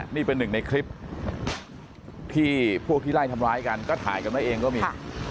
นี่เป็นหนึ่งในคลิปที่พวกที่ไล่ทำร้ายกันก็ถ่ายกันไว้เองก็มี